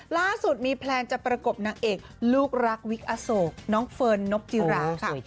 ล่าสุดมีแพลนจะประกบนางเอกลูกรักวิกอโศกน้องเฟิร์นนกจิราค่ะ